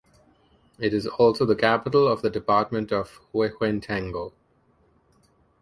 It is also the capital of the department of Huehuetenango.